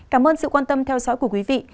cảm ơn sự quan tâm theo dõi của quý vị